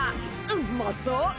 「うまそう」